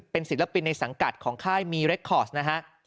เป็นศิลปินในสังกัดของค่ายมีเรคคอร์สนะฮะ